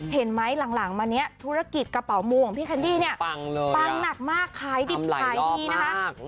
เห็นไหมหลังมาเนี่ยธุรกิจกระเป๋ามูของพี่แคนดี้เนี่ยปังหนักมากขายดิบขายดีนะคะ